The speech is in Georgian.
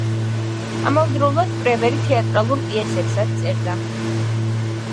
ამავდროულად პრევერი თეატრალურ პიესებსაც წერს.